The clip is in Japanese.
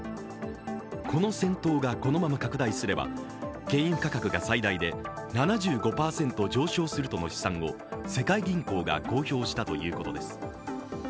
この戦闘がこのまま拡大すれば、原油価格が最大で７５％上昇するとの試算を世界銀行が公表したということです。